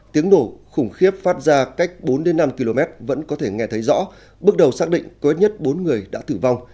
tiếng nổ khủng khiếp phát ra cách bốn năm km vẫn có thể nghe thấy rõ bước đầu xác định có ít nhất bốn người đã tử vong